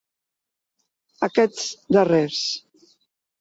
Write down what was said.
Aquests darrers.